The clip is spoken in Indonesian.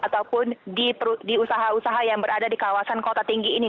ataupun di usaha usaha yang berada di kawasan kota tinggi ini